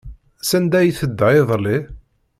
Sanda ay tedda iḍelli?